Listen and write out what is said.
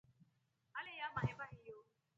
Aleyaa mahemba hiyo.